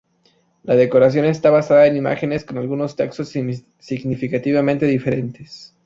La decoración está basada en imágenes, con algunos textos significativamente diferentes.